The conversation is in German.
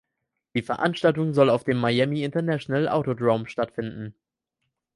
Die Veranstaltung soll auf dem Miami International Autodrome stattfinden.